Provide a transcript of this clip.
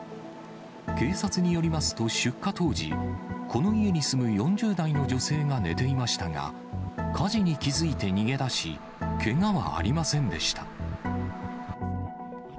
警察によりますと、出火当時、この家に住む４０代の女性が寝ていましたが、火事に気付いて逃げ出し、けがはありませんでした。